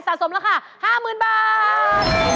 สมราคา๕๐๐๐บาท